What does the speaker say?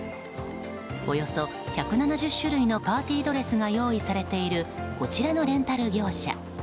およそ１７０種類のパーティードレスが用意されているこちらのレンタル業者。